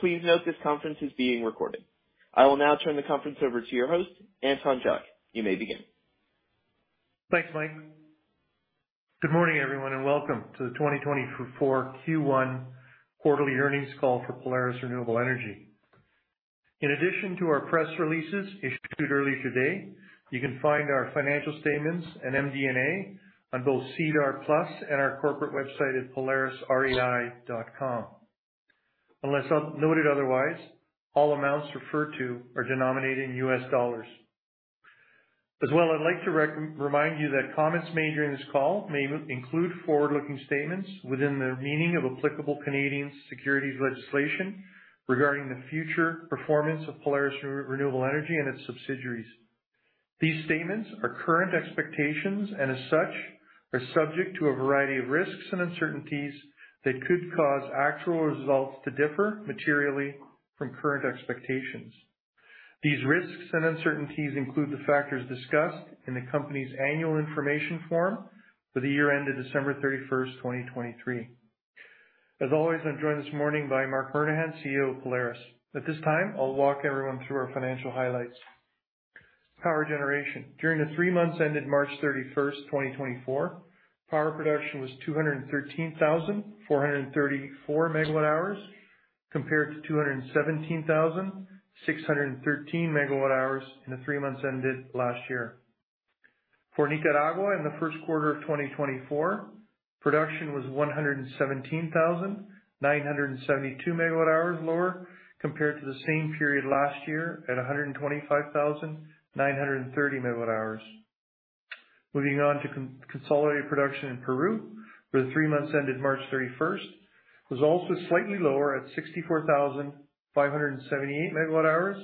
Please note this conference is being recorded. I will now turn the conference over to your host, Anton Jelic. You may begin. Thanks, Mike. Good morning, everyone, and welcome to the 2024 Q1 quarterly earnings call for Polaris Renewable Energy. In addition to our press releases issued early today, you can find our financial statements and MD&A on both SEDAR+ and our corporate website at polarisrei.com. Unless noted otherwise, all amounts referred to are denominated in U.S. dollars. As well, I'd like to remind you that comments made during this call may include forward-looking statements within the meaning of applicable Canadian securities legislation regarding the future performance of Polaris Renewable Energy and its subsidiaries. These statements are current expectations and as such, are subject to a variety of risks and uncertainties that could cause actual results to differ materially from current expectations. These risks and uncertainties include the factors discussed in the company's Annual Information Form for the year ended 31 December 2023. As always, I'm joined this morning by Marc Murnaghan, CEO of Polaris. At this time, I'll walk everyone through our financial highlights. Power generation. During the three months ended 31 March 2024, power production was 213,434 MWh, compared to 217,613 MWh in the three months ended last year. For Nicaragua, in the Q1 of 2024, production was 117,972 MWh lower compared to the same period last year at 125,930 MWh. Moving on to consolidated production in Peru for the three months ended 31 March 2024, was also slightly lower at 64,578 MWh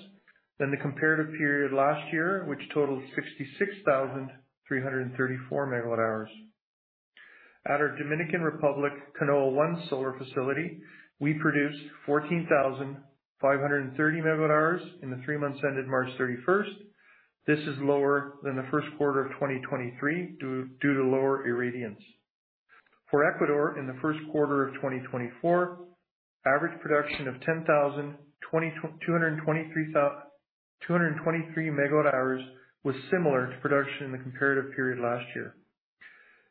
than the comparative period last year, which totaled 66,334 MWh. At our Dominican Republic Canoa 1 solar facility, we produced 14,530 MWh in the three months ended 31 March 2024. This is lower than the Q1 of 2023 due to lower irradiance. For Ecuador, in the Q1 of 2024, average production of 10,223 MWh was similar to production in the comparative period last year.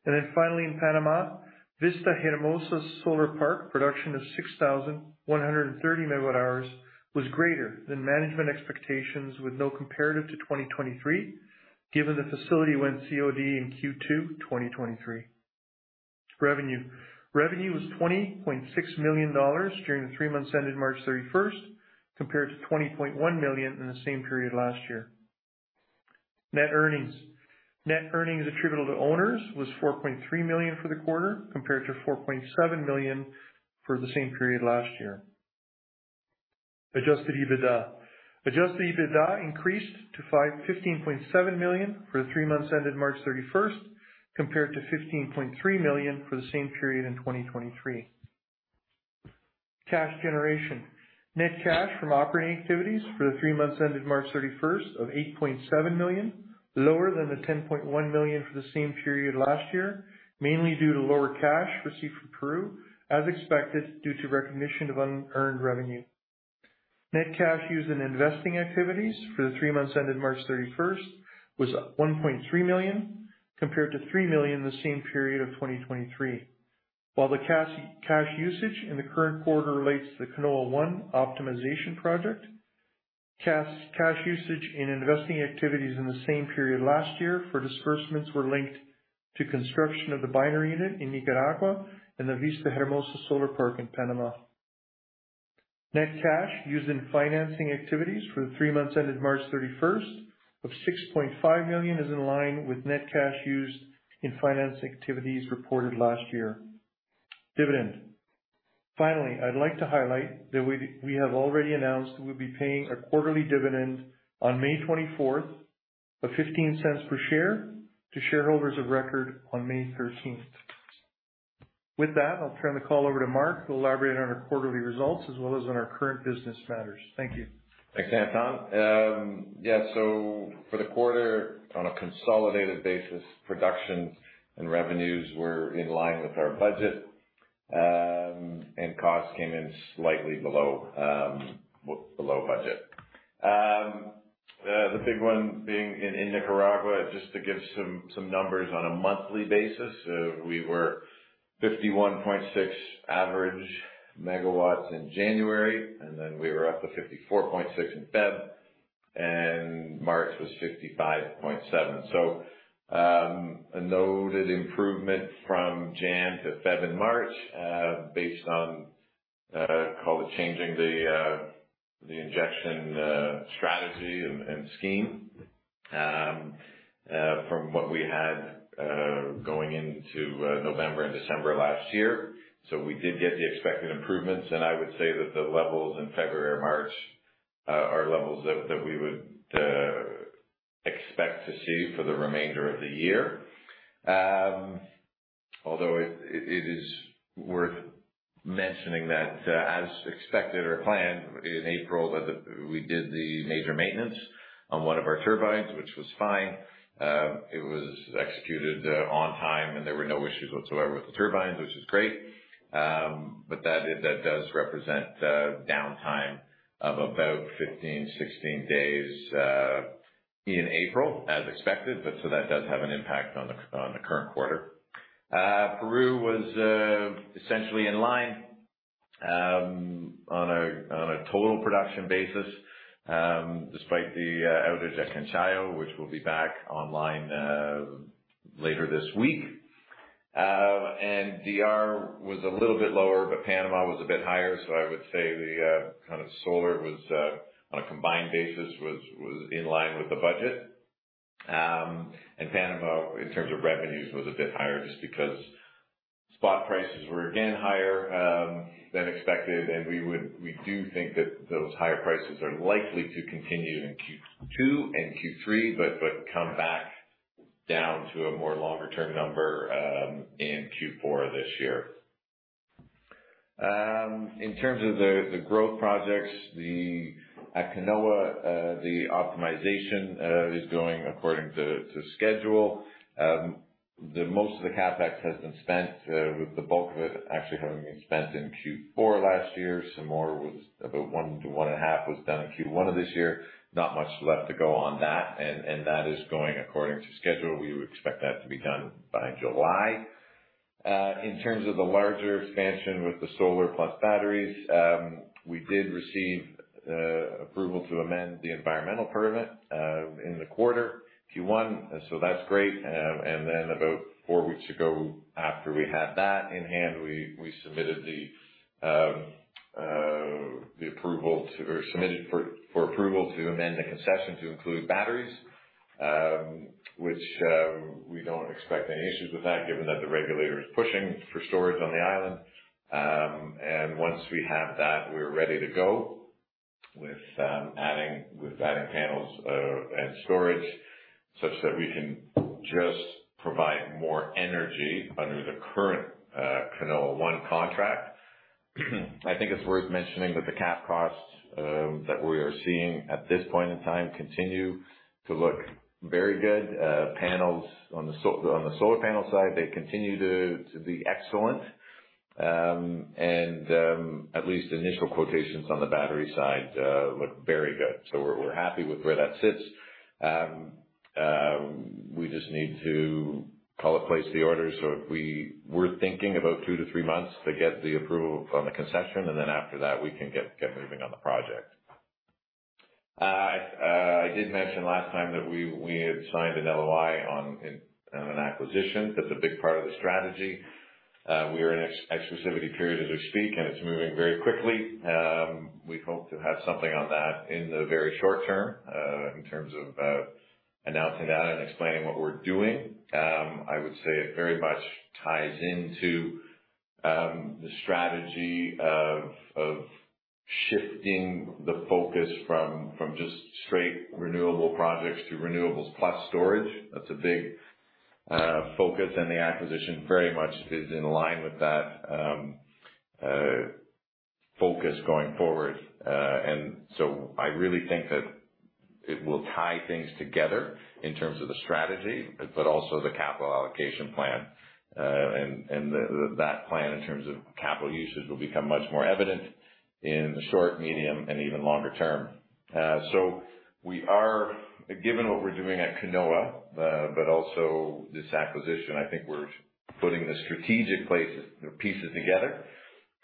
Then finally, in Panama, Vista Hermosa Solar Park production of 6,130 MWh was greater than management expectations, with no comparative to 2023, given the facility went COD in Q2 2023. Revenue was $20.6 million during the three months ended 31 March 2024, compared to $20.1 million in the same period last year. Net earnings. Net earnings attributable to owners was $4.3 million for the quarter, compared to $4.7 million for the same period last year. Adjusted EBITDA. Adjusted EBITDA increased to 15.7 million for the three months ended 31 March 2024, compared to $15.3 million for the same period in 2023. Cash generation. Net cash from operating activities for the three months ended 31 March 2024 of $8.7 million, lower than the $10.1 million for the same period last year, mainly due to lower cash received from Peru, as expected, due to recognition of unearned revenue. Net cash used in investing activities for the three months ended 31 March 2024 was $1.3 million, compared to $3 million in the same period of 2023. While the cash usage in the current quarter relates to the Canoa 1 optimization project, cash usage in investing activities in the same period last year for disbursements were linked to construction of the binary unit in Nicaragua and the Vista Hermosa Solar Park in Panama. Net cash used in financing activities for the three months ended 31 March 2024 of $6.5 million is in line with net cash used in financing activities reported last year. Finally, I'd like to highlight that we have already announced that we'll be paying a quarterly dividend on 24 May 2024 of $0.15 per share to shareholders of record on 13 May 2024. With that, I'll turn the call over to Marc, who'll elaborate on our quarterly results as well as on our current business matters. Thank you. Thanks, Anton. Yeah, so for the quarter, on a consolidated basis, production and revenues were in line with our budget, and costs came in slightly below budget. The big one being in Nicaragua, just to give some numbers on a monthly basis, we were 51.6 average megawatt in January, and then we were up to 54.6 MW in February, and March was 55.7 MW. So, a noted improvement from January to February and March, based on call it changing the injection strategy and scheme from what we had going into November and December last year. So we did get the expected improvements, and I would say that the levels in February and March are levels that we would expect to see for the remainder of the year. Although it is worth mentioning that, as expected or planned in April, that we did the major maintenance on one of our turbines, which was fine. It was executed on time, and there were no issues whatsoever with the turbines, which is great. But that does represent downtime of about 15, 16 days in April, as expected, but so that does have an impact on the current quarter. Peru was essentially in line on a total production basis despite the outage at Canchayllo, which will be back online later this week. DR was a little bit lower, but Panama was a bit higher, so I would say the kind of solar was on a combined basis in line with the budget. Panama, in terms of revenues, was a bit higher, just because spot prices were again higher than expected, and we do think that those higher prices are likely to continue in Q2 and Q3, but come back down to a more longer-term number in Q4 this year. In terms of the growth projects at Canoa, the optimization is going according to schedule. The most of the CapEx has been spent, with the bulk of it actually having been spent in Q4 last year. Some more was about one to 1.5 was done in Q1 of this year. Not much left to go on that, and that is going according to schedule. We would expect that to be done by July. In terms of the larger expansion with the solar plus batteries, we did receive approval to amend the environmental permit in the quarter, Q1, so that's great. And then about four weeks ago, after we had that in hand, we submitted for approval to amend the concession to include batteries, which we don't expect any issues with that, given that the regulator is pushing for storage on the island. And once we have that, we're ready to go with adding panels and storage such that we can just provide more energy under the current Canoa 1 contract. I think it's worth mentioning that the CapEx costs that we are seeing at this point in time continue to look very good. Panels on the solar panel side, they continue to be excellent. And at least initial quotations on the battery side look very good. So we're happy with where that sits. We just need to call and place the order. So we were thinking about two to three months to get the approval from the concession, and then after that, we can get moving on the project. I did mention last time that we had signed an LOI on an acquisition. That's a big part of the strategy. We are in an exclusivity period as we speak, and it's moving very quickly. We hope to have something on that in the very short term, in terms of announcing that and explaining what we're doing. I would say it very much ties into the strategy of shifting the focus from just straight renewable projects to renewables plus storage. That's a big focus, and the acquisition very much is in line with that, focus going forward. And so I really think that it will tie things together in terms of the strategy, but also the capital allocation plan, and that plan, in terms of capital usage, will become much more evident in the short, medium, and even longer term. Given what we're doing at Canoa, but also this acquisition, I think we're putting the strategic pieces together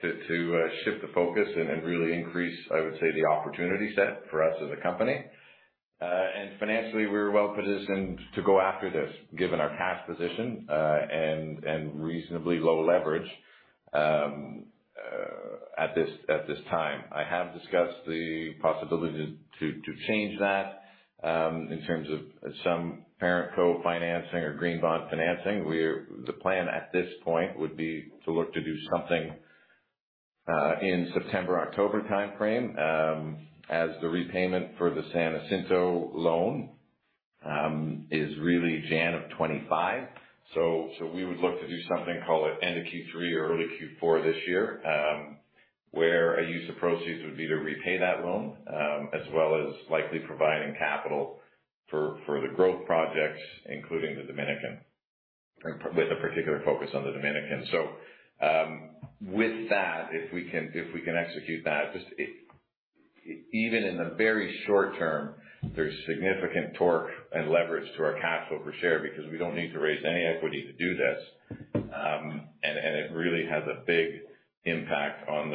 to shift the focus and really increase, I would say, the opportunity set for us as a company. And financially, we're well positioned to go after this, given our cash position and reasonably low leverage at this time. I have discussed the possibility to change that in terms of some ParentCo financing or green bond financing, where the plan at this point would be to look to do something in September, October timeframe as the repayment for the San Jacinto loan is really January of 2025. So we would look to do something, call it end of Q3 or early Q4 this year, where a use of proceeds would be to repay that loan, as well as likely providing capital for the growth projects, including the Dominican with a particular focus on the Dominican. So, with that, if we can execute that, just even in the very short term, there's significant torque and leverage to our cash flow per share because we don't need to raise any equity to do this. It really has a big impact on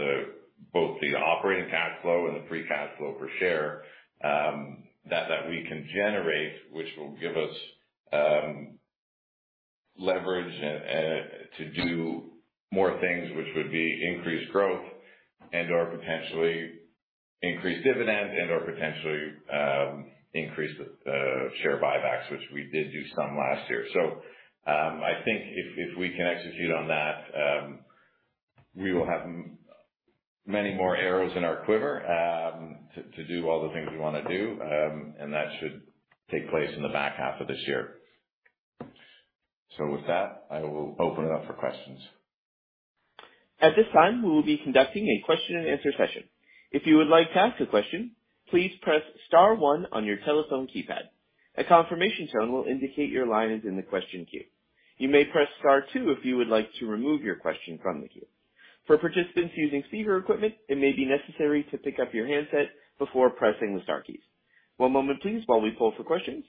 both the operating cash flow and the free cash flow per share that we can generate, which will give us leverage to do more things, which would be increased growth and/or potentially increased dividend and/or potentially increased share buybacks, which we did do some last year. So, I think if we can execute on that, we will have many more arrows in our quiver to do all the things we want to do, and that should take place in the back half of this year. So with that, I will open it up for questions. At this time, we will be conducting a question-and-answer session. If you would like to ask a question, please press star one on your telephone keypad. A confirmation tone will indicate your line is in the question queue. You may press star two if you would like to remove your question from the queue. For participants using speaker equipment, it may be necessary to pick up your handset before pressing the star keys. One moment please, while we poll for questions.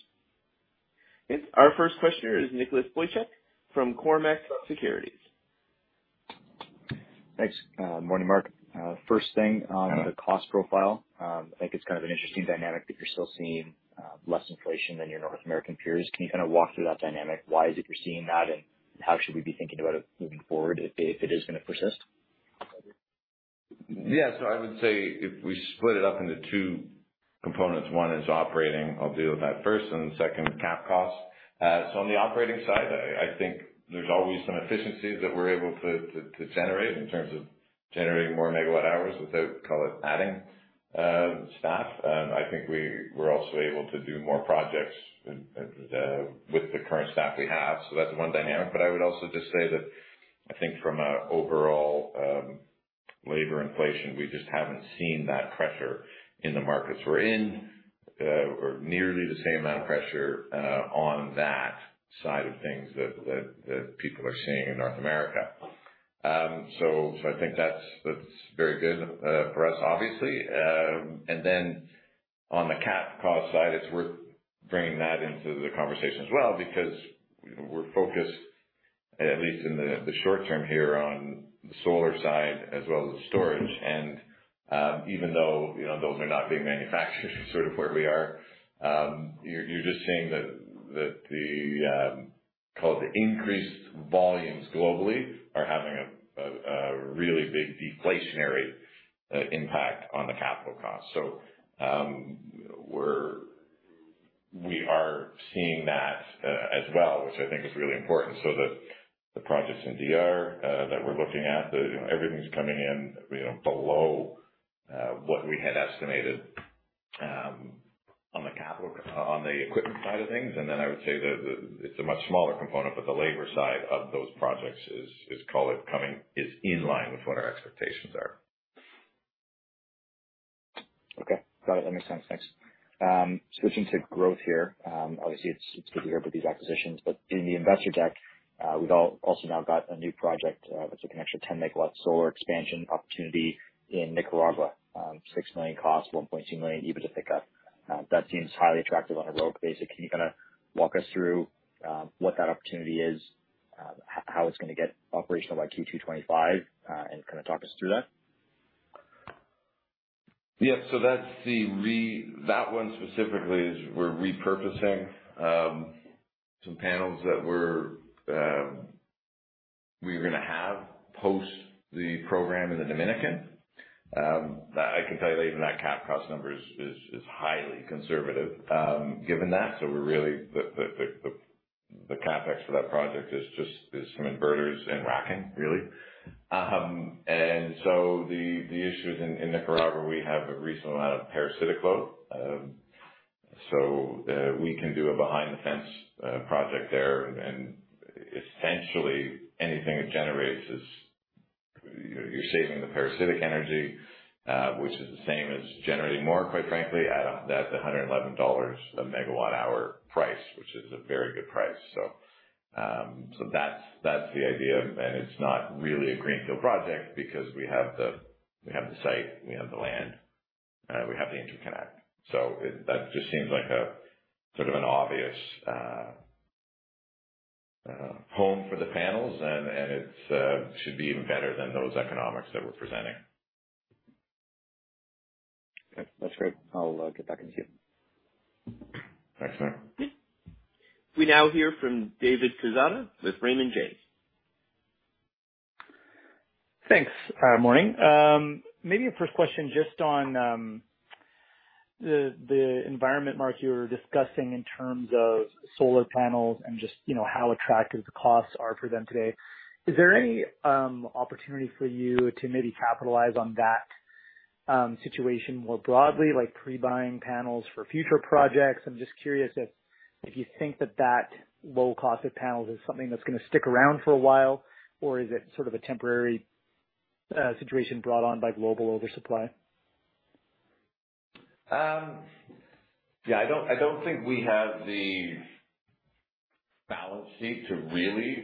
Our first questioner is Nicholas Boychuk from Cormark Securities. Thanks. Morning, Marc. First thing, on the cost profile. I think it's kind of an interesting dynamic that you're still seeing less inflation than your North American peers. Can you kind of walk through that dynamic? Why is it you're seeing that, and how should we be thinking about it moving forward if, if it is going to persist? Yeah. So I would say if we split it up into two components, one is operating, I'll deal with that first, and second, the cap costs. So on the operating side, I think there's always some efficiencies that we're able to generate in terms of generating more megawatt-hours without, call it, adding staff. And I think we're also able to do more projects with the current staff we have. So that's one dynamic. But I would also just say that I think from a overall labor inflation, we just haven't seen that pressure in the markets we're in or nearly the same amount of pressure on that side of things that people are seeing in North America. So I think that's very good for us, obviously. And then on the cap cost side, it's worth bringing that into the conversation as well, because, you know, we're focused, at least in the short term here, on the solar side as well as the storage. And, even though, you know, those are not being manufactured sort of where we are, you're just seeing that the call it, the increased volumes globally are having a really big deflationary impact on the capital costs. So, we're, we are seeing that as well, which I think is really important. So the projects in DR that we're looking at, the, you know, everything's coming in below what we had estimated on the capital, on the equipment side of things. And then I would say the, the, it's a much smaller component, but the labor side of those projects is in line with what our expectations are. Okay, got it. That makes sense. Thanks. Switching to growth here. Obviously, it's good to hear about these acquisitions, but in the investor deck, we've also now got a new project that's an extra 10 MW solar expansion opportunity in Nicaragua. $6 million cost, $1.2 million EBIT to pick up. That seems highly attractive on a ROIC basis. Can you kind of walk us through what that opportunity is, how it's going to get operational by Q2 2025, and kind of talk us through that? Yeah. So that's the one. That one specifically is we're repurposing some panels that we're going to have post the program in the Dominican. I can tell you that even that CapEx number is highly conservative, given that. So we're really. The CapEx for that project is just, it's from inverters and racking, really. And so the issues in Nicaragua, we have a reasonable amount of parasitic load. So we can do a behind-the-fence project there, and essentially anything it generates is. You're saving the parasitic energy, which is the same as generating more, quite frankly, at that $111/MWh price, which is a very good price. So that's the idea. It's not really a greenfield project because we have the site, we have the land, we have the interconnect. So it, that just seems like a sort of an obvious home for the panels, and it should be even better than those economics that we're presenting. Okay, that's great. I'll get back into queue. Thanks, Nick. We now hear from David Quezada with Raymond James. Thanks. Morning. Maybe a first question, just on the environment market you were discussing in terms of solar panels and just, you know, how attractive the costs are for them today. Is there any opportunity for you to maybe capitalize on that situation more broadly, like pre-buying panels for future projects? I'm just curious if you think that that low cost of panels is something that's going to stick around for a while, or is it sort of a temporary situation brought on by global oversupply? Yeah, I don't think we have the balance sheet to really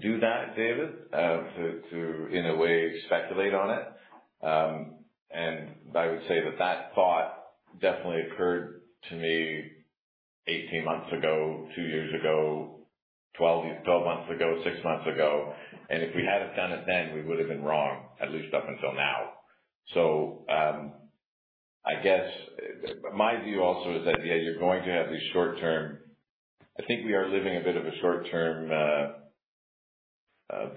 do that, David, to in a way speculate on it. And I would say that that thought definitely occurred to me 18 months ago, two years ago, 12 years, 12 months ago, six months ago, and if we had have done it then, we would have been wrong, at least up until now. So, I guess my view also is that, yeah, you're going to have these short-term, I think we are living a bit of a short-term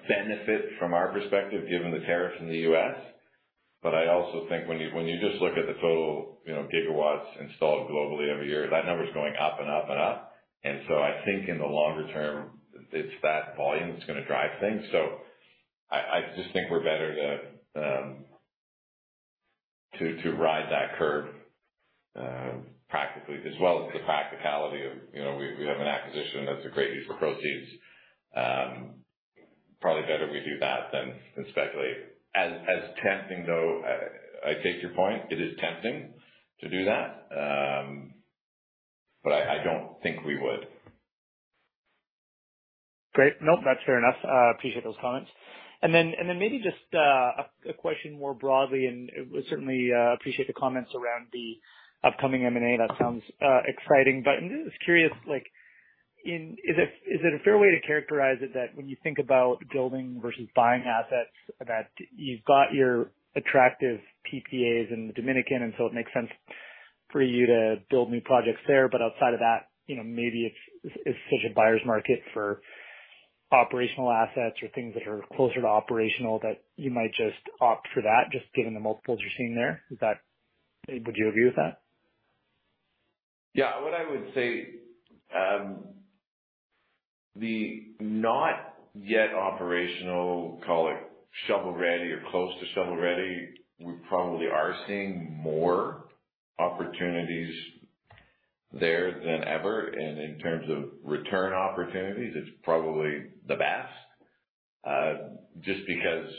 benefit from our perspective, given the tariff in the U.S. But I also think when you just look at the total, you know, gigawatts installed globally every year, that number is going up and up and up. So I think in the longer term, it's that volume that's gonna drive things. So I just think we're better to ride that curve, practically, as well as the practicality of, you know, we have an acquisition that's a great use for proceeds. Probably better we do that than speculate. As tempting, though, I take your point. It is tempting to do that, but I don't think we would. Great. Nope, that's fair enough. Appreciate those comments. And then maybe just a question more broadly, and we certainly appreciate the comments around the upcoming M&A. That sounds exciting. But I'm just curious, like, is it a fair way to characterize it that when you think about building versus buying assets, that you've got your attractive PPAs in the Dominican, and so it makes sense for you to build new projects there, but outside of that, you know, maybe it's such a buyer's market for operational assets or things that are closer to operational that you might just opt for that, just given the multiples you're seeing there. Is that, would you agree with that? Yeah. What I would say, the not yet operational, call it shovel-ready or close to shovel-ready, we probably are seeing more opportunities there than ever. And in terms of return opportunities, it's probably the best. Just because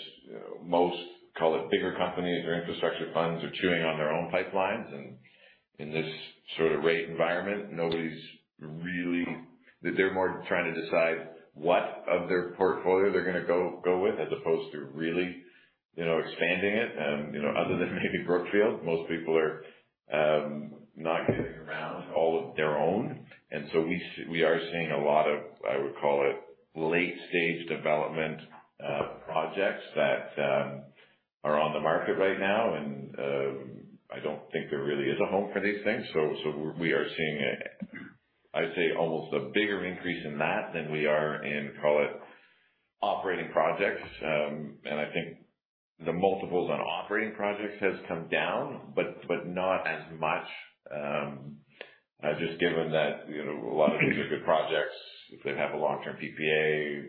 most, call it, bigger companies or infrastructure funds are chewing on their own pipelines, and in this sort of rate environment, nobody's really, they're more trying to decide what of their portfolio they're gonna go, go with, as opposed to really, you know, expanding it. You know, other than maybe Brookfield, most people are, not getting around all of their own. And so we are seeing a lot of, I would call it, late-stage development, projects that, are on the market right now, and, I don't think there really is a home for these things. So we are seeing a, I'd say, almost a bigger increase in that than we are in, call it, operating projects. And I think the multiples on operating projects has come down, but not as much. Just given that, you know, a lot of these are good projects. If they have a long-term PPA,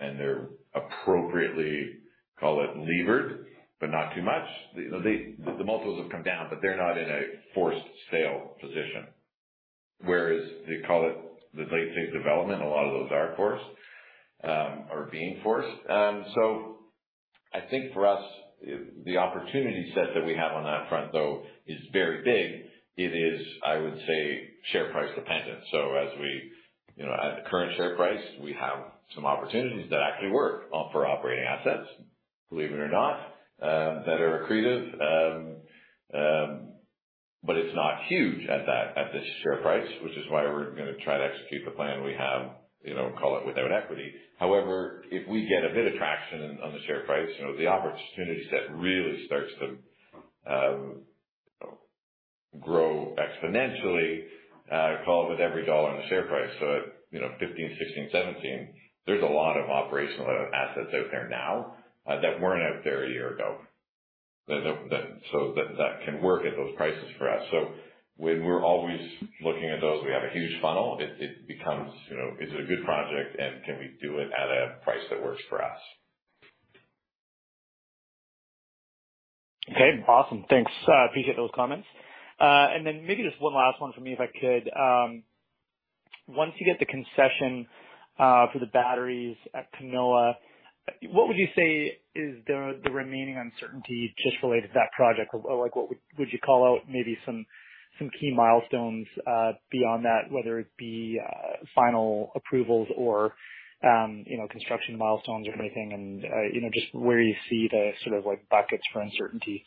and they're appropriately, call it, levered, but not too much. The multiples have come down, but they're not in a forced sale position. Whereas they call it the late-stage development, a lot of those are forced, are being forced. So I think for us, the opportunity set that we have on that front, though, is very big. It is, I would say, share price dependent. So as we, you know, at the current share price, we have some opportunities that actually work for operating assets, believe it or not, that are accretive. But it's not huge at that, at this share price, which is why we're gonna try to execute the plan we have, you know, call it without equity. However, if we get a bit of traction on the share price, you know, the opportunity set really starts to grow exponentially, call it with every dollar in the share price. So, you know, 15, 16, 17, there's a lot of operational assets out there now that weren't out there a year ago. So that can work at those prices for us. When we're always looking at those, we have a huge funnel. It becomes, you know, is it a good project, and can we do it at a price that works for us? Okay, awesome. Thanks. Appreciate those comments. And then maybe just one last one for me, if I could. Once you get the concession for the batteries at Canoa, what would you say is the remaining uncertainty just related to that project? Or like, what would you call out maybe some key milestones beyond that, whether it be final approvals or you know, construction milestones or anything, and you know, just where you see the sort of like buckets for uncertainty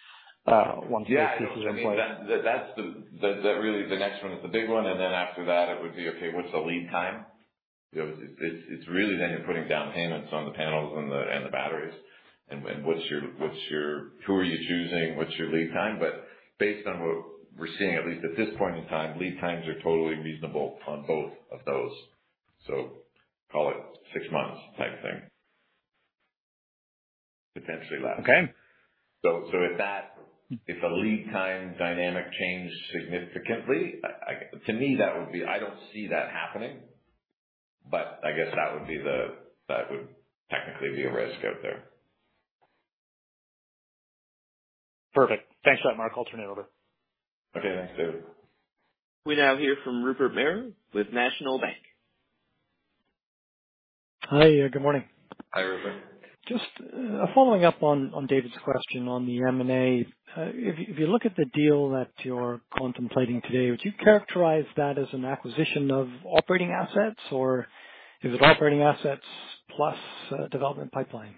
once you- Yeah, I mean, that's really the next one is the big one, and then after that, it would be, okay, what's the lead time? You know, it's really then you're putting down payments on the panels and the batteries, and when, what's your, who are you choosing? What's your lead time? But based on what we're seeing, at least at this point in time, lead times are totally reasonable on both of those. So call it six months type thing. Potentially less. Okay. So, if the lead time dynamic changed significantly, I, to me, that would be. I don't see that happening, but I guess that would technically be a risk out there. Perfect. Thanks for that, Marc. I'll turn it over. Okay. Thanks, David. We now hear from Rupert Merer with National Bank. Hi, good morning. Hi, Rupert. Just, following up on David's question on the M&A. If you look at the deal that you're contemplating today, would you characterize that as an acquisition of operating assets, or is it operating assets plus a development pipeline?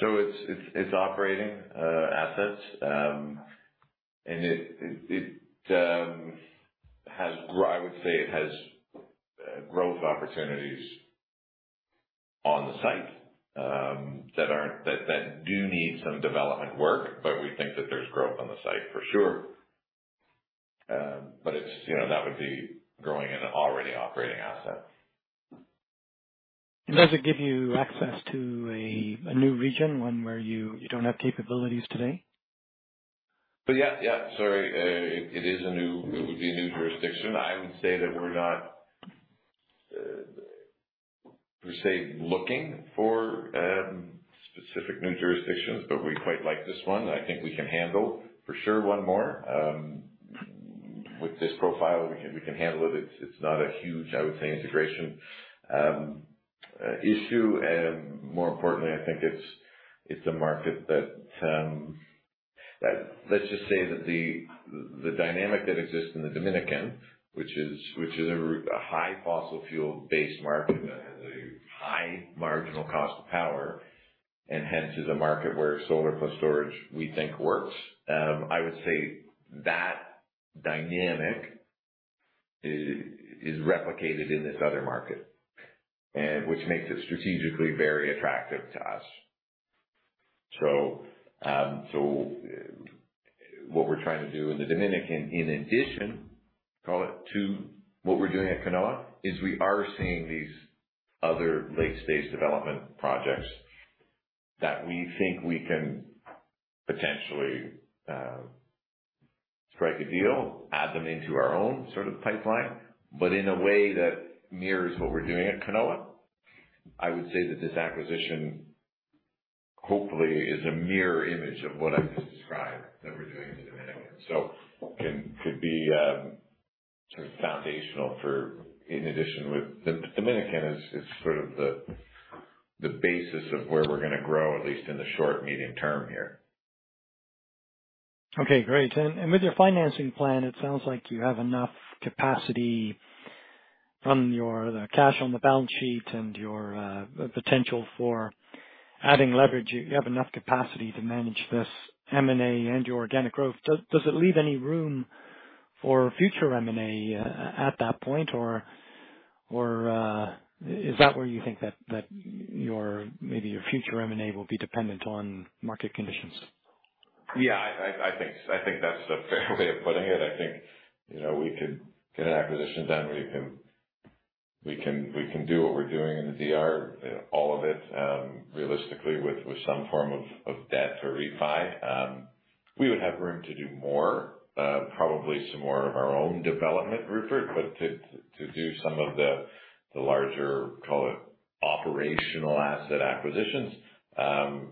So it's operating assets, and it has growth opportunities on the site that do need some development work, but we think that there's growth on the site for sure. But it's, you know, that would be growing an already operating asset. And does it give you access to a, a new region, one where you, you don't have capabilities today? But yeah, yeah, sorry. It is a new jurisdiction. I would say that we're not per se looking for specific new jurisdictions, but we quite like this one. I think we can handle, for sure, one more. With this profile, we can handle it. It's not a huge, I would say, integration issue. And more importantly, I think it's a market that, let's just say that the dynamic that exists in the Dominican, which is a high fossil fuel-based market that has a high marginal cost of power, and hence is a market where solar plus storage, we think, works. I would say that dynamic is replicated in this other market, and which makes it strategically very attractive to us. So, so what we're trying to do in the Dominican, in addition, call it, to what we're doing at Canoa, is we are seeing these other late-stage development projects that we think we can potentially strike a deal, add them into our own sort of pipeline, but in a way that mirrors what we're doing at Canoa. I would say that this acquisition, hopefully, is a mirror image of what I just described that we're doing in the Dominican. So can, could be sort of foundational for in addition with, the Dominican is, is sort of the, the basis of where we're gonna grow, at least in the short, medium term here. Okay, great. And with your financing plan, it sounds like you have enough capacity from your, the cash on the balance sheet and your potential for adding leverage. You have enough capacity to manage this M&A and your organic growth. Does it leave any room for future M&A at that point, or is that where you think that your maybe your future M&A will be dependent on market conditions? Yeah, I think that's a fair way of putting it. I think, you know, we could get an acquisition done. We can do what we're doing in the DR, all of it, realistically, with some form of debt or refi. We would have room to do more, probably some more of our own development rubric, but to do some of the larger, call it, operational asset acquisitions,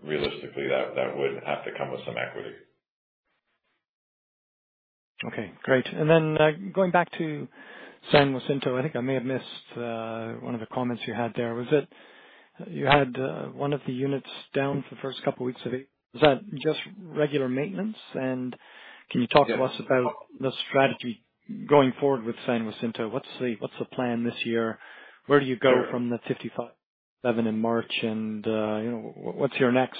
realistically, that would have to come with some equity. Okay, great. And then, going back to San Jacinto, I think I may have missed one of the comments you had there. Was it, you had one of the units down for the first couple weeks of it. Was that just regular maintenance? And can you talk to us about the strategy going forward with San Jacinto? What's the plan this year? Where do you go from the 55,111 in March, and you know, what's your next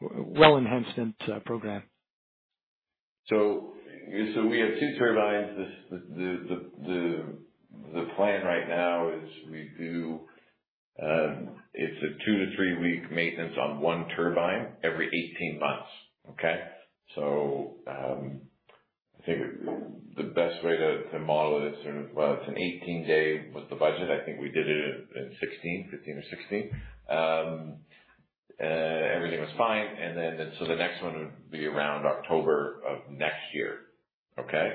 well enhancement program? So, we have two turbines. The plan right now is we do it's a two-to-three-week maintenance on one turbine every 18 months. Okay? So, I think the best way to model it is, well, it's an 18-day was the budget. I think we did it in 16, 15 or 16. Everything was fine, and then, so the next one would be around October of next year. Okay?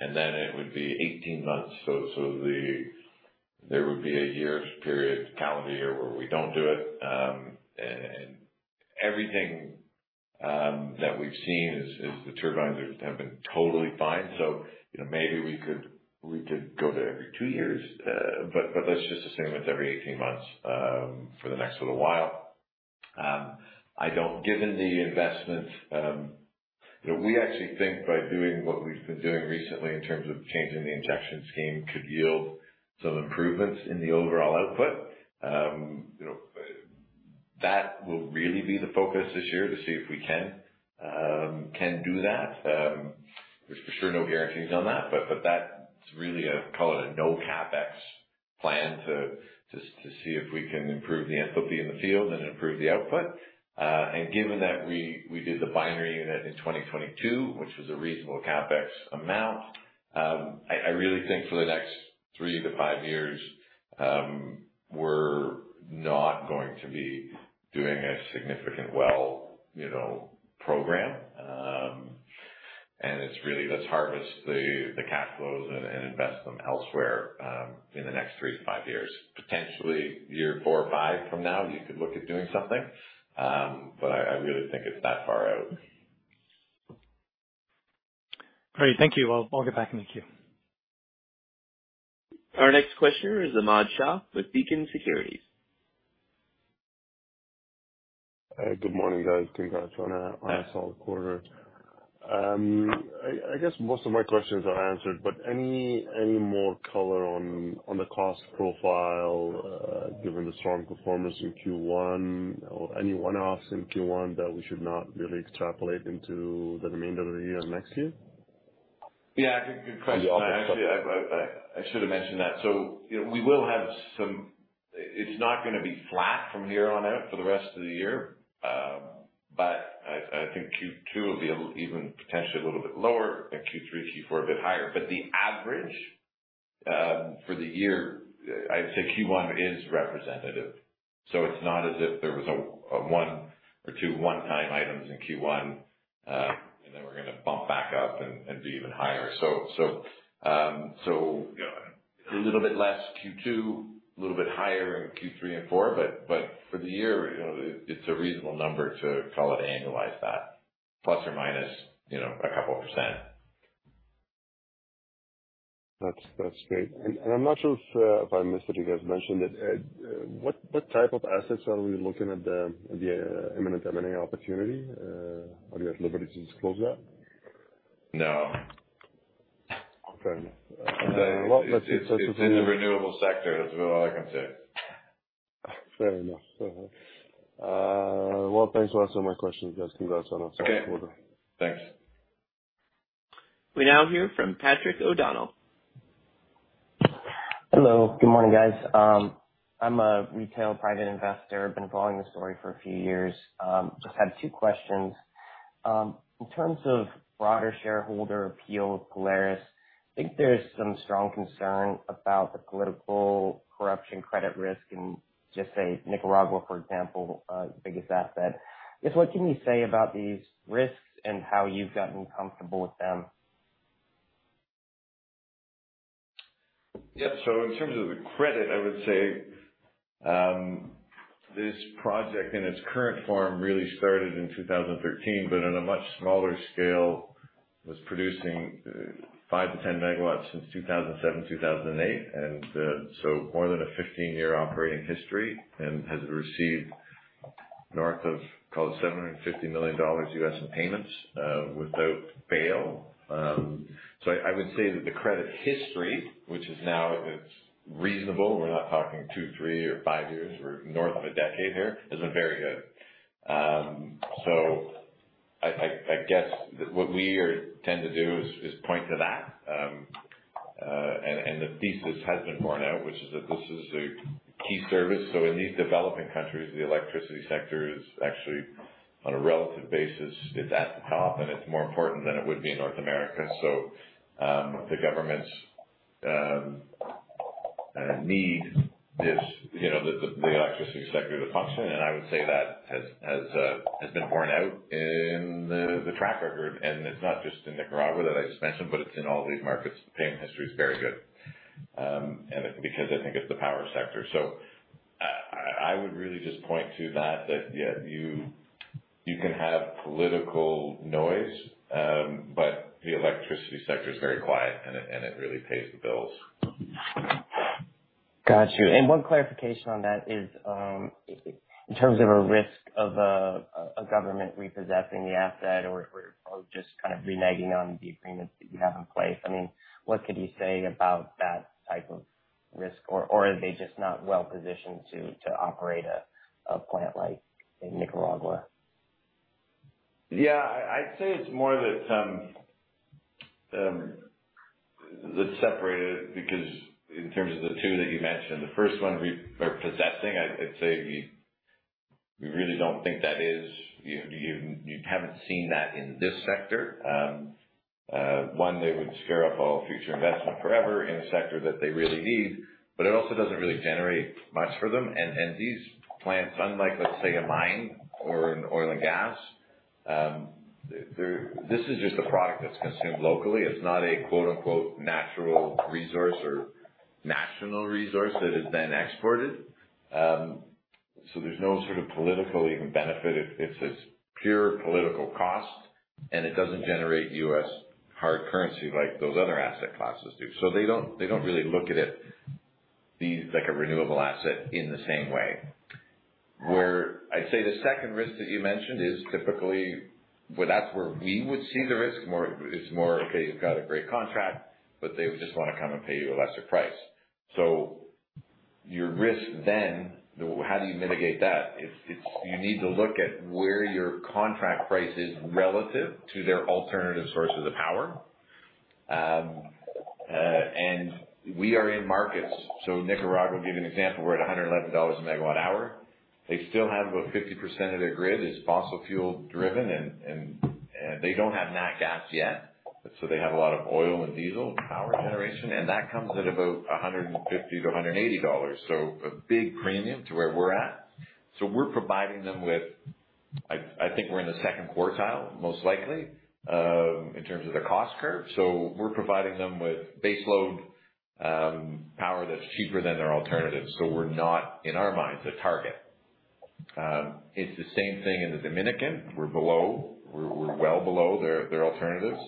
And then it would be 18 months, so, so the, there would be a year's period, calendar year, where we don't do it. And everything that we've seen is the turbines have been totally fine, so, you know, maybe we could go to every two years, but let's just assume it's every 18 months, for the next little while. I don't, given the investment, you know, we actually think by doing what we've been doing recently in terms of changing the injection scheme, could yield some improvements in the overall output. You know, that will really be the focus this year to see if we can, can do that. There's for sure no guarantees on that, but, but that's really a, call it, a no CapEx plan to, to, to see if we can improve the enthalpy in the field and improve the output. And given that we, we did the binary unit in 2022, which was a reasonable CapEx amount, I, I really think for the next three to five years, we're not going to be doing a significant well, you know, program. And it's really let's harvest the cash flows and invest them elsewhere, in the next three to five years. Potentially, year four or five from now, you could look at doing something, but I really think it's that far out. Great. Thank you. I'll get back in the queue. Our next question is Ahmad Shaheen with Beacon Securities. Good morning, guys. Congrats on a solid quarter. I guess most of my questions are answered, but any more color on the cost profile, given the strong performance in Q1, or any one-offs in Q1 that we should not really extrapolate into the remainder of the year and next year? Yeah, good, good question. I actually should have mentioned that. So, you know, we will have some. It's not gonna be flat from here on out for the rest of the year. But I think Q2 will be even potentially a little bit lower, and Q3, Q4 a bit higher. But the average for the year, I'd say Q1 is representative, so it's not as if there was a one or two one-time items in Q1, and then we're going to bump back up and be even higher. So a little bit less Q2, a little bit higher in Q3 and Q4, but for the year, you know, it's a reasonable number to call it, annualize that plus or minus, you know, a couple of percent. That's great. And I'm not sure if I missed it, you guys mentioned it. What type of assets are we looking at, the imminent M&A opportunity? Are you at liberty to disclose that? No. Okay. Well, let's- It's in the renewable sector. That's all I can say. Fair enough. Well, thanks for answering my questions, guys. Congrats on a successful quarter. Okay, thanks. We now hear from Patrick O'Donnell. Hello, good morning, guys. I'm a retail private investor. Been following the story for a few years. Just had two questions. In terms of broader shareholder appeal with Polaris, I think there's some strong concern about the political corruption credit risk in, just say, Nicaragua, for example, the biggest asset. Just what can you say about these risks and how you've gotten comfortable with them? Yeah. So in terms of the credit, I would say this project in its current form really started in 2013, but on a much smaller scale, was producing five MW-10 MW since 2007, 2008, and so more than a 15-year operating history, and has received north of, call it $750 million in payments without fail. So I would say that the credit history, which is now, it's reasonable, we're not talking two, three, or five years, we're north of a decade here, is very good. So I guess what we tend to do is point to that. And the thesis has been borne out, which is that this is a key service. So in these developing countries, the electricity sector is actually on a relative basis, it's at the top, and it's more important than it would be in North America. So, the governments need this, you know, the electricity sector to function, and I would say that has been borne out in the track record. And it's not just in Nicaragua that I just mentioned, but it's in all these markets. Payment history is very good, and because I think it's the power sector. So I would really just point to that, yeah, you can have political noise, but the electricity sector is very quiet, and it really pays the bills. Got you. And one clarification on that is, in terms of a risk of a government repossessing the asset or just kind of reneging on the agreements that you have in place, I mean, what could you say about that type of risk? Or are they just not well-positioned to operate a plant like in Nicaragua? Yeah, I'd say it's more that. Let's separate it, because in terms of the two that you mentioned, the first one, repossessing, I'd say we really don't think that is. You haven't seen that in this sector. One, they would scare off all future investment forever in a sector that they really need, but it also doesn't really generate much for them. And these plants, unlike, let's say, a mine or an oil and gas, they're this is just a product that's consumed locally. It's not a, quote-unquote, "natural resource" or national resource that has been exported. So there's no sort of political even benefit. It's pure political cost, and it doesn't generate U.S. hard currency like those other asset classes do. So they don't, they don't really look at it, these, like a renewable asset in the same way. Where I'd say the second risk that you mentioned is typically, well, that's where we would see the risk more. It's more, okay, you've got a great contract, but they would just want to come and pay you a lesser price. So your risk then, the, how do you mitigate that? It's, it's you need to look at where your contract price is relative to their alternative sources of power. And we are in markets. So Nicaragua, give you an example, we're at $111/MWh. They still have about 50% of their grid is fossil fuel driven, and they don't have nat gas yet, so they have a lot of oil and diesel power generation, and that comes at about $150-$180. So a big premium to where we're at. So we're providing them with, I think we're in the second quartile, most likely, in terms of the cost curve. So we're providing them with baseload power that's cheaper than their alternatives, so we're not, in our minds, a target. It's the same thing in the Dominican. We're below, we're well below their alternatives.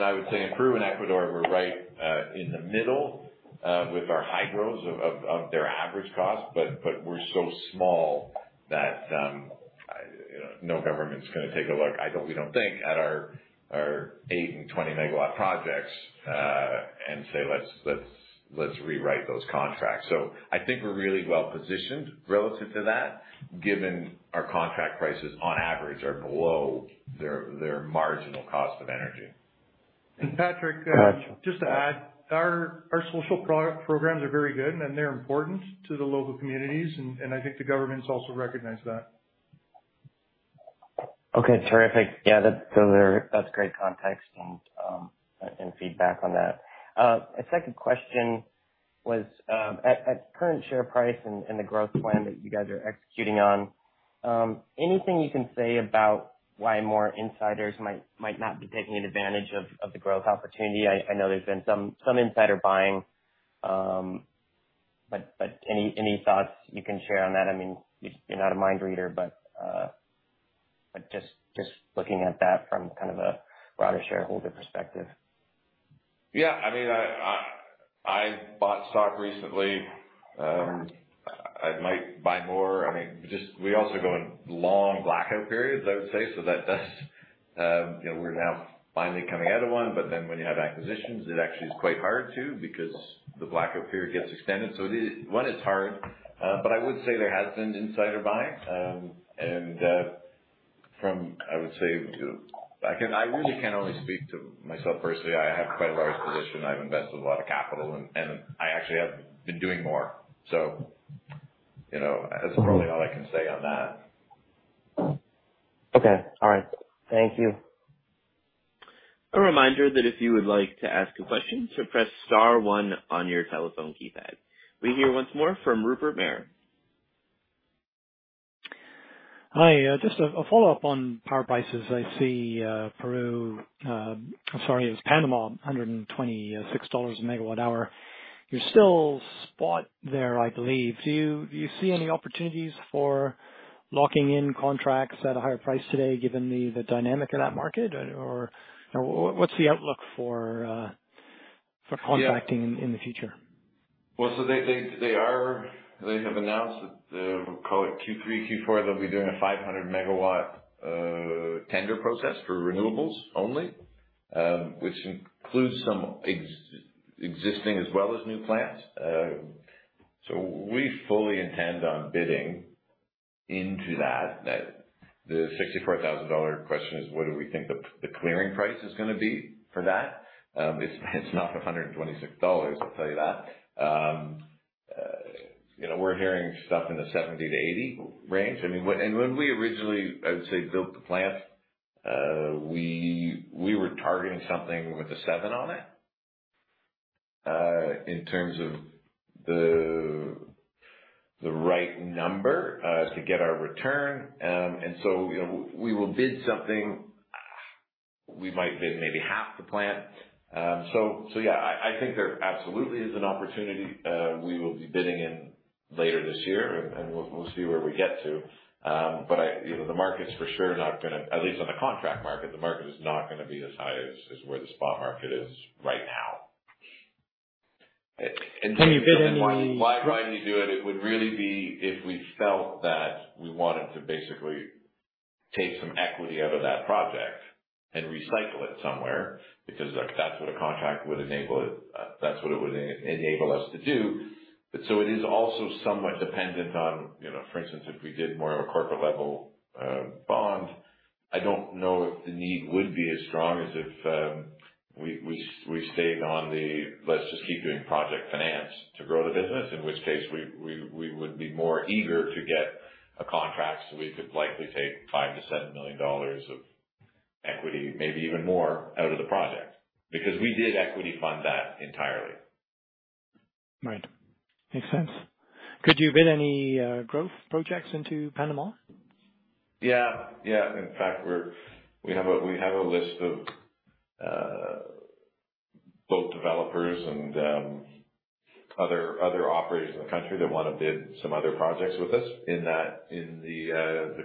I would say in Peru and Ecuador, we're right in the middle with our hydros of their average cost, but we're so small that no government's going to take a look, we don't think, at our eight and 20 MW projects and say, "Let's rewrite those contracts." So I think we're really well positioned relative to that, given our contract prices on average are below their marginal cost of energy. And Patrick, just to add, our social programs are very good, and they're important to the local communities, and I think the governments also recognize that. Okay, terrific. Yeah, that's great context and feedback on that. A second question was, at current share price and the growth plan that you guys are executing on, anything you can say about why more insiders might not be taking advantage of the growth opportunity? I know there's been some insider buying, but any thoughts you can share on that? I mean, you're not a mind reader, but just looking at that from kind of a broader shareholder perspective. Yeah, I mean, I bought stock recently. I might buy more. I mean, just we also go in long blackout periods, I would say. So that's, you know, we're now finally coming out of one, but then when you have acquisitions, it actually is quite hard to because the blackout period gets extended. So it is, one, it's hard, but I would say there has been insider buying. And, from I would say to, I really can only speak to myself personally. I have quite a large position. I've invested a lot of capital, and I actually have been doing more. So, you know, that's probably all I can say on that. Okay. All right. Thank you. A reminder that if you would like to ask a question, to press star one on your telephone keypad. We hear once more from Rupert Merer. Hi, just a follow-up on power prices. I see, Peru, sorry, it was Panama, $126/MWh. You're still spot there, I believe. Do you see any opportunities for locking in contracts at a higher price today, given the dynamic in that market? Or, what's the outlook for contracting-in the future? Well, so they have announced that, call it Q3, Q4, they'll be doing a 500-MW tender process for renewables only, which includes some existing as well as new plants. So we fully intend on bidding into that. Now, the $64,000 question is: What do we think the clearing price is going to be for that? It's not $126, I'll tell you that. You know, we're hearing stuff in the $70-$80 range. I mean, when we originally, I would say, built the plant, we were targeting something with a seven on it, in terms of the right number, to get our return. And so, you know, we will bid something. We might bid maybe half the plant. So yeah, I think there absolutely is an opportunity. We will be bidding in later this year, and we'll see where we get to. But, you know, the market's for sure not going to, at least on the contract market, the market is not going to be as high as where the spot market is right now. Can you bid any- And then why you do it, it would really be if we felt that we wanted to basically take some equity out of that project and recycle it somewhere, because, like, that's what a contract would enable it, that's what it would enable us to do. But so it is also somewhat dependent on, you know, for instance, if we did more of a corporate level bond, I don't know if the need would be as strong as if we stayed on the let's just keep doing project finance to grow the business, in which case we would be more eager to get a contract, so we could likely take $5-$7 million of equity, maybe even more out of the project. Because we did equity fund that entirely. Right. Makes sense. Could you bid any growth projects into Panama? Yeah, yeah. In fact, we have a list of both developers and other operators in the country that want to bid some other projects with us in that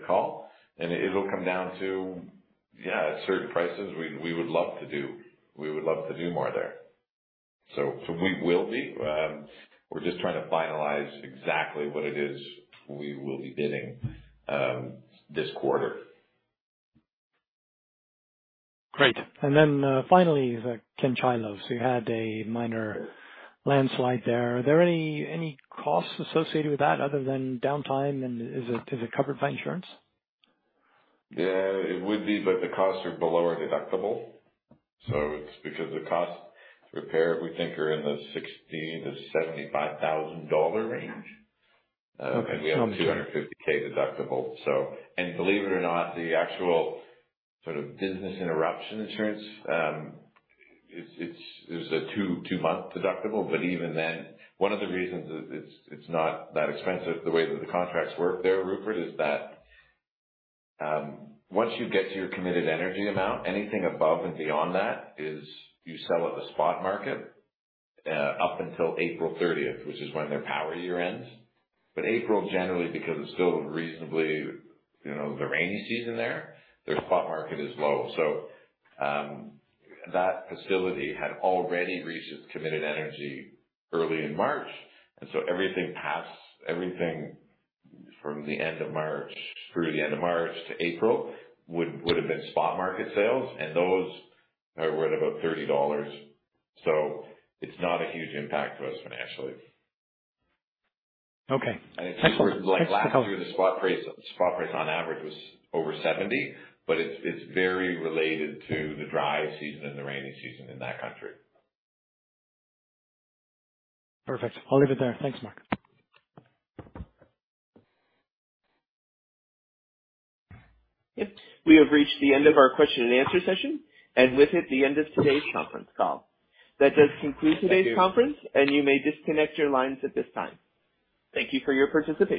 call. And it'll come down to, yeah, at certain prices, we would love to do, we would love to do more there. So we will be. We're just trying to finalize exactly what it is we will be bidding this quarter. Great. Then, finally, the Canchayllo. So you had a minor landslide there. Are there any costs associated with that other than downtime, and is it covered by insurance? Yeah, it would be, but the costs are below our deductible, so it's because the cost to repair it, we think, are in the $60,000-$75,000 range. Okay. We have a $250K deductible. And believe it or not, the actual sort of business interruption insurance, it's a two-month deductible, but even then, one of the reasons it's not that expensive, the way that the contracts work there, Rupert, is that, once you get to your committed energy amount, anything above and beyond that is you sell at the spot market, up until 30 April 2024, which is when their power year ends. But April generally, because it's still reasonably, you know, the rainy season there, their spot market is low. So, that facility had already reached its committed energy early in March, and so everything past, everything from the end of March, through the end of March to April, would have been spot market sales, and those are right about $30. It's not a huge impact to us financially. Okay. Like last year, the spot price, spot price on average was over $70, but it's, it's very related to the dry season and the rainy season in that country. Perfect. I'll leave it there. Thanks, Marc. Yep. We have reached the end of our question and answer session, and with it, the end of today's conference call. That does conclude today's conference and you may disconnect your lines at this time. Thank you for your participation.